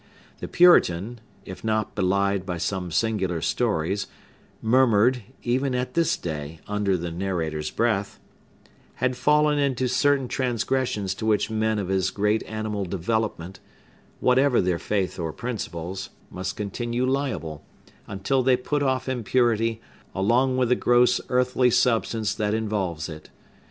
The Puritan—if not belied by some singular stories, murmured, even at this day, under the narrator's breath—had fallen into certain transgressions to which men of his great animal development, whatever their faith or principles, must continue liable, until they put off impurity, along with the gross earthly substance that involves it.